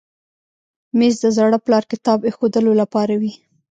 مېز د زاړه پلار کتاب ایښودلو لپاره وي.